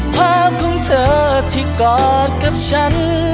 ภาพของเธอที่กอดกับฉัน